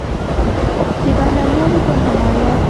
د بهرنیانو په حمایت